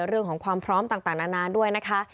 เรื่องของความพร้อมต่างนานาด้วยนะคะ